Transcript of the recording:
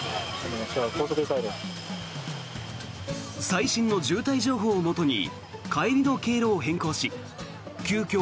最新の渋滞情報をもとに帰りの経路を変更し急きょ